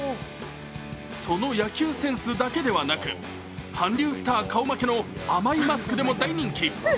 その野球センスだけではなく、韓流スター顔負けの甘いマスクでも大人気。